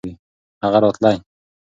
هغه راتلی .